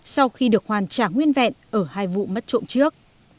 sau khi được hoàn trả nguyên vẹn ở hai vụ mất trộm trước